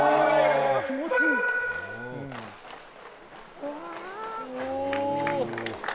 うわ！